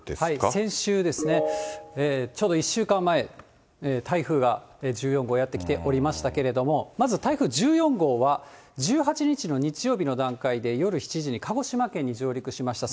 先週ですね、ちょうど１週間前、台風が１４号、やってきておりましたけれども、まず台風１４号は、１８日の日曜日の段階で、夜７時に鹿児島県に上陸しました。